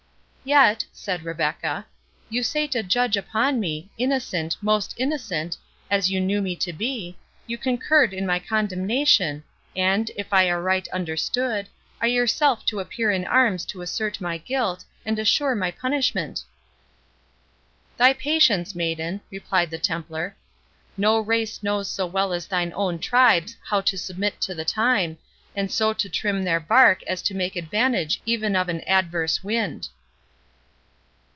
"Yet," said Rebecca, "you sate a judge upon me, innocent—most innocent—as you knew me to be—you concurred in my condemnation, and, if I aright understood, are yourself to appear in arms to assert my guilt, and assure my punishment." "Thy patience, maiden," replied the Templar. "No race knows so well as thine own tribes how to submit to the time, and so to trim their bark as to make advantage even of an adverse wind."